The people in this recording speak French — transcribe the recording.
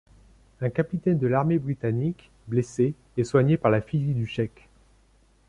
Un capitaine de l'armée britannique, blessé, est soigné par la fille du sheik.